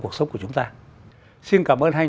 cuộc sống của chúng ta xin cảm ơn hai